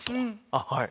あっはい。